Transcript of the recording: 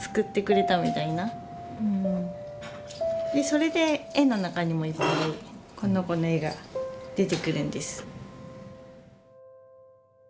それで絵の中にもいっぱいこの子の絵が出てくるんです。